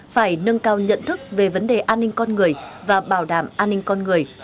phải nâng cao nhận thức về vấn đề an ninh con người và bảo đảm an ninh con người